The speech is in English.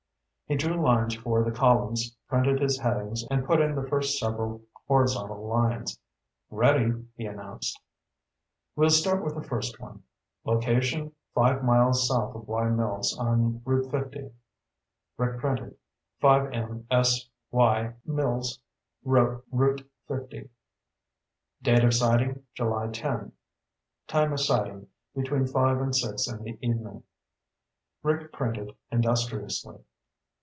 He drew lines for the columns, printed his headings, and put in the first several horizontal lines. "Ready," he announced. "We'll start with the first one. Location: five miles south of Wye Mills on Route 50." Rick printed: "5M S Wye Mls Rte 50." "Date of sighting, July 10. Time of sighting, between five and six in the evening." Rick printed industriously.